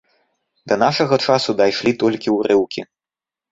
Да нашага часу дайшлі толькі ўрыўкі.